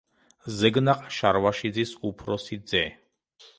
ზეგნაყ შარვაშიძის უფროსი ძე.